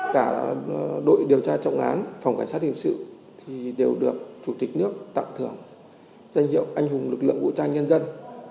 cả đội điều tra trọng án phòng cảnh sát hình sự thì đều được chủ tịch nước tặng thưởng danh hiệu anh hùng lực lượng vũ trang nhân dân